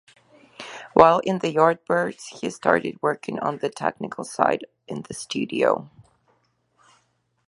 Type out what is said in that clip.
While in the Yardbirds he started working on the technical side in the studio.